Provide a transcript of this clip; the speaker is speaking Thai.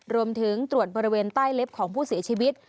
รวมถึงตรวจบริเวณใต้เล็บของผู้เสียชีวิต